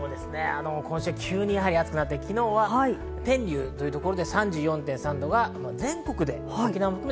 今週、急に暑くなって昨日は天竜というところで３４．３度。